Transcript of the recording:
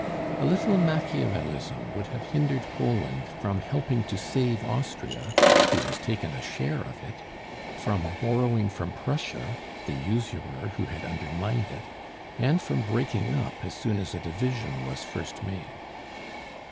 A little Machiavelism would have hindered Poland from helping to save Austria, who has taken a share of it; from borrowing from Prussia, the usurer who had undermined it; and from breaking up as soon as a division was first made.